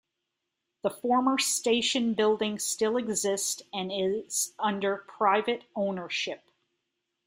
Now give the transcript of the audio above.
The former station building still exists and is under private ownership.